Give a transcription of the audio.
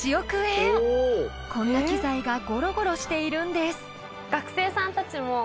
こんな機材がゴロゴロしているんです。